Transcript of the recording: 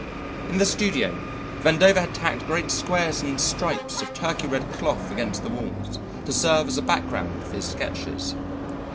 In the studio, Vandover had tacked great squares and stripes of turkey red cloth against the walls to serve as a background for his sketches.